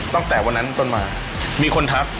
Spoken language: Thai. ตั้งแต่วันนั้นต้นมามีคนทัก